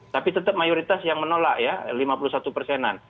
tapi tetap mayoritas yang menolak ya lima puluh satu persenan